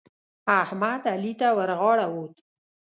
احمد؛ علي ته ورغاړه وت.